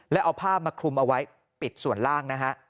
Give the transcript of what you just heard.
แล้วเอาผ้ามาคลุมเอาไว้ปิดส่วนล่างนะฮะ